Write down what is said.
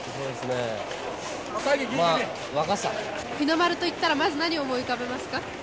若さ日の丸といったらまず何を思い浮かべますか？